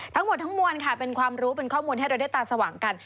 ทั้งหมดทั้งมวลค่ะเป็นความรู้เป็นข้อมูลให้เราได้ตาสว่างกัน